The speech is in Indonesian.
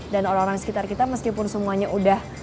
dan orang orang sekitar kita meskipun semuanya udah